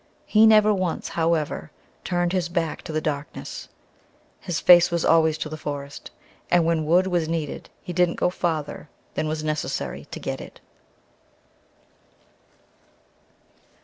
He never once, however, turned his back to the darkness. His face was always to the forest, and when wood was needed he didn't go farther than was necessary to get it.